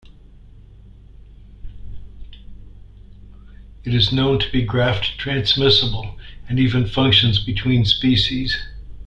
It is known to be graft-transmissible, and even functions between species.